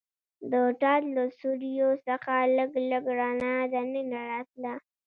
د ټاټ له سوریو څخه لږ لږ رڼا دننه راتله.